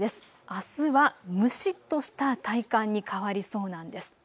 あすは蒸しっとした体感に変わりそうなんです。